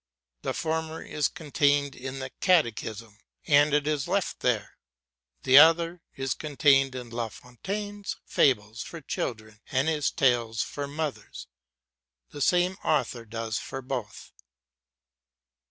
The former is contained in the Catechism and it is left there; the other is contained in La Fontaine's fables for children and his tales for mothers. The same author does for both.